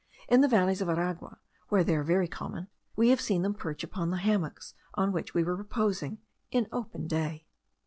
In the valleys of Aragua, where they are very common, we have seen them perch upon the hammocks on which we were reposing, in open day.